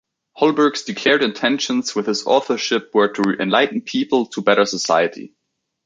Holberg's declared intentions with his authorship were to enlighten people to better society.